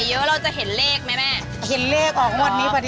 เยอะเราจะเห็นเลขไหมแม่เห็นเลขออกงวดนี้พอดี